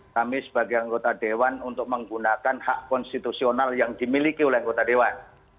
kami sebagai anggota dewan untuk menggunakan hak konstitusional yang dimiliki oleh anggota dewan